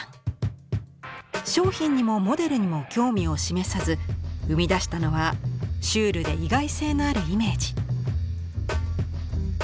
商品にもモデルにも興味を示さず生み出したのはシュールで意外性のあるイメージ。